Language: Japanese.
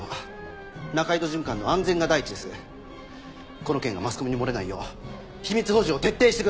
この件がマスコミに漏れないよう秘密保持を徹底してください。